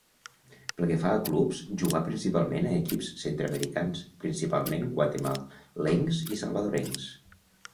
Pel que fa a clubs, jugà principalment a equips centre-americans, principalment guatemalencs i salvadorencs.